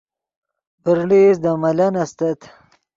ڤرڑئیست دے ملن استت